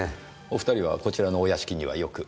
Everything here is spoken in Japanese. お２人はこちらのお屋敷にはよく？